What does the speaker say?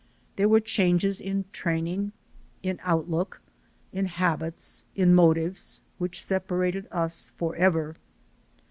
There were changes in training, in outlook, in habits, in motives, which separated us forever.